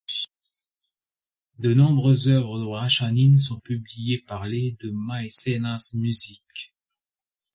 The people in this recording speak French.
De nombreuses œuvres de Bračanin sont publiées par l' et de Maecenas Music.